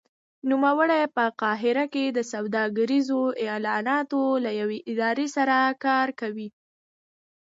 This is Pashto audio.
نوموړی په قاهره کې د سوداګریزو اعلاناتو له یوې ادارې سره کار کوي.